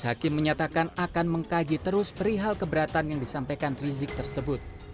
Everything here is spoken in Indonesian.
hakim menyatakan akan mengkaji terus perihal keberatan yang disampaikan rizik tersebut